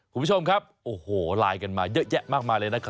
คุณผู้ชมครับโอ้โหไลน์กันมาเยอะแยะมากมายเลยนะครับ